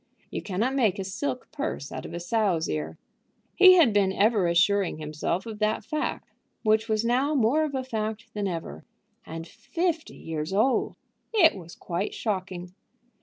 You cannot make a silk purse out of a sow's ear. He had been ever assuring himself of that fact, which was now more of a fact than ever. And fifty years old! It was quite shocking.